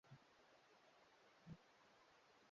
walianza kufyatua mizinga yao na kuua watu kadhaa ndani ya mji